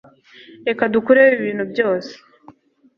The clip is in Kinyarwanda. Reka dukureho ibi bintu byose